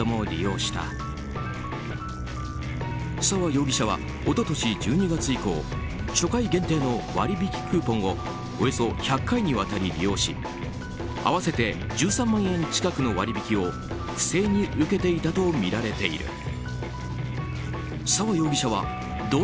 沢容疑者は、一昨年１２月以降初回限定の割引クーポンをおよそ１００回にわたり利用し合わせて１３万円近くの割引を不正に受けていたとみられている。